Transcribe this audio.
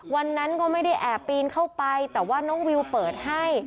วันนั้นก็ไม่ได้แอบปีนเข้าไปแต่ว่าน้องวิวเปิดให้